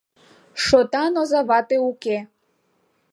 — Шотан озавате уке...